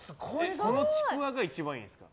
そのちくわが一番いいんですか？